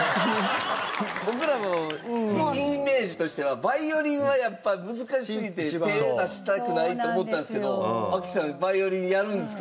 僕らもイメージとしてはヴァイオリンはやっぱ難しすぎて手ぇ出したくないと思ったんですけど亜希さんヴァイオリンやるんですか？